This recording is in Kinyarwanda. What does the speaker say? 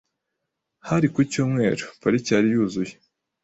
Hari ku cyumweru, parike yari yuzuye.